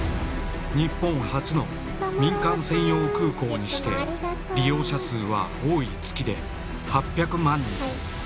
日本初の民間専用空港にして利用者数は多い月で８００万人。